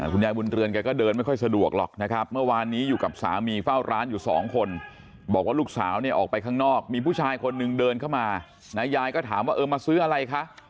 คุณยายบุญเรือนแกก็เดินไม่ค่อยสะดวกหรอกนะครับเมื่อวานนี้อยู่กับสามีเฝ้าร้านอยู่สองคนบอกว่าลูกสาวเนี่ยออกไปข้างนอกมีผู้ชายคนนึงเดินเข้ามานะยายก็ถามว่าเออมาซื้ออะไรคะ